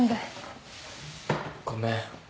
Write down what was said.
ごめん。